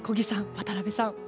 渡辺さん